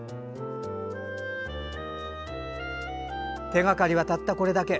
手がかりは、たったこれだけ。